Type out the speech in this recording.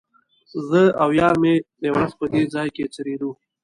زه او یار مې یوه ورځ په دې ځای کې څریدو.